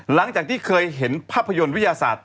หลังจากที่เคยเห็นภาพยนตร์วิทยาศาสตร์